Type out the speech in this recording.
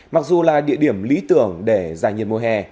mặc dù là địa điểm lý tưởng để giải nhiệt mùa hè